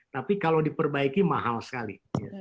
tapi kalau diperbaiki mahal sekali